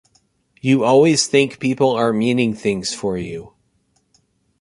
You always think people are meaning things for you.